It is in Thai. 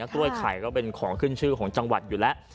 กล้วยไข่ก็เป็นของขึ้นชื่อของจังหวัดอยู่แล้ว